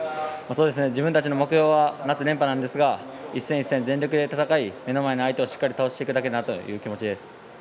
自分たちの目標は夏連覇なんですが一戦一戦全力で戦い目の前の相手をしっかり倒していくだけです。